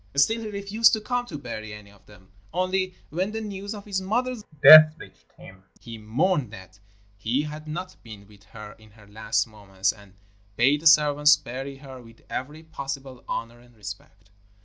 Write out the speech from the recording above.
Still he refused to come to bury any of them, only, when the news of his mother's death reached him, he mourned that he had not been with her in her last moments, and bade the servants bury her with every possible honour and respect.